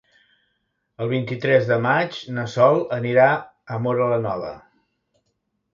El vint-i-tres de maig na Sol anirà a Móra la Nova.